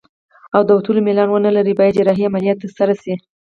او د وتلو میلان ونلري باید جراحي عملیه ترسره شي.